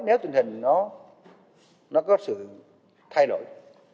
nếu tình hình nó có sự thay đổi